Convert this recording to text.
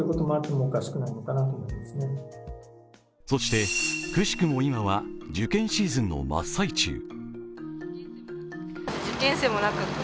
そして、奇しくも今は受験シーズンの真っ最中。